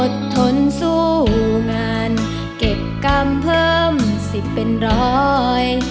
ทนสู้งานเก็บกรรมเพิ่มสิบเป็นร้อย